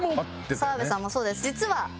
澤部さんもそうです実は。